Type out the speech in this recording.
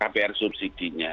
kpr subsidi nya